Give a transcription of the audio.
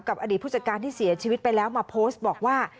อดีตผู้จัดการที่เสียชีวิตไปแล้วมาโพสต์บอกว่า